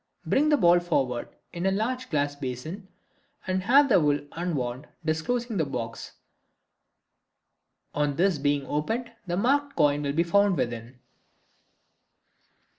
Bring the ball forward in a large glass basin and have the wool unwound, disclosing the box; on this being opened the marked coin will be found within.